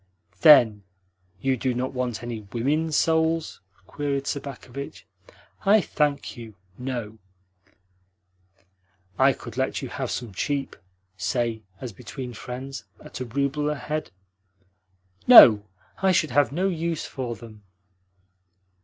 "Then you do not want any WOMEN souls?" queried Sobakevitch. "I thank you, no." "I could let you have some cheap say, as between friends, at a rouble a head?" "No, I should have no use for them."